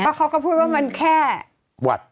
เขาก็พูดว่ามันแค่หวัด